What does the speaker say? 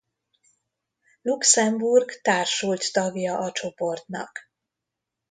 Luxemburg társult tagja a csoportnak.